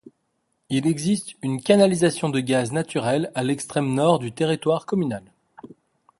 Il existe une canalisation de gaz naturel à l'extrême nord du territoire communal.